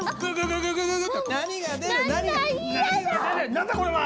何だこれは？